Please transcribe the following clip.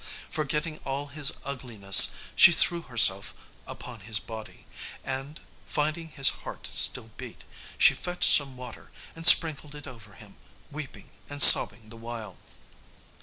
Forgetting all his ugliness, she threw herself upon his body, and, finding his heart still beat, she fetched some water and sprinkled it over him, weeping and sobbing the while.